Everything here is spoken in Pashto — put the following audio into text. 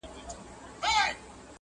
لاري خالي دي له انسانانو،